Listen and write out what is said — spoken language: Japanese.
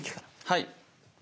はい。